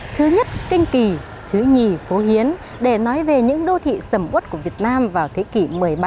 thứ nhất kinh kỳ thứ nhì phố hiến để nói về những đô thị sầm út của việt nam vào thế kỷ một mươi bảy một mươi tám